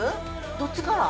どっちから？